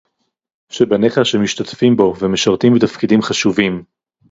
שבניך שמשתתפים בו ומשרתים בתפקידים חשובים